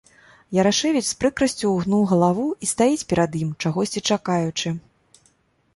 Ярашэвіч з прыкрасцю ўгнуў галаву і стаіць перад ім, чагосьці чакаючы.